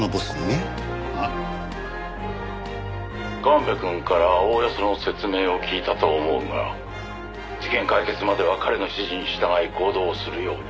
「神戸くんからおおよその説明を聞いたと思うが事件解決までは彼の指示に従い行動するように」